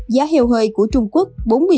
giá heo hơi của trung quốc